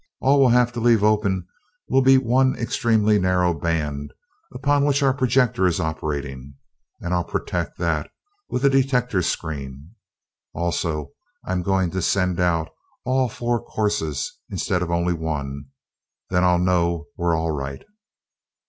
All we'll have to leave open will be the one extremely narrow band upon which our projector is operating, and I'll protect that with a detector screen. Also, I'm going to send out all four courses, instead of only one then I'll know we're all right."